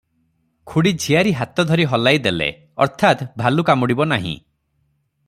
ଖୁଡ଼ି ଝିଆରୀ ହାତ ଧରି ହଲାଇ ଦେଲେ - ଅର୍ଥାତ୍, ଭାଲୁ କାମୁଡ଼ିବ ନାହିଁ ।